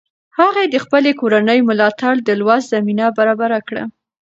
هغې د خپلې کورنۍ ملاتړ د لوست زمینه برابره کړه.